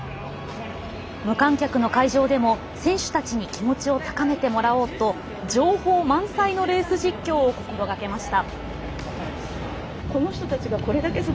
無観客の会場でも選手たちに気持ちを高めてもらおうと情報満載のレース実況を心がけていました。